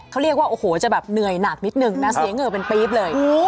เขาเรียกว่าโอ้โหจะแบบเหนื่อยหนักนิดนึงนะเสียเหงื่อเป็นปี๊บเลย